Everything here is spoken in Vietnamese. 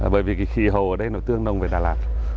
bởi vì khí hồ ở đây nó tương đồng với đà lạt